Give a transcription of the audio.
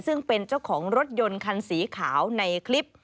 ซึ่งเป็นเจ้าของรถยนต์คันสีขาวในคลิป